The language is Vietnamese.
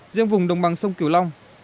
riêng vùng đồng bằng sông kiều long